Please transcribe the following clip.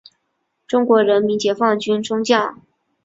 中国人民解放军中将。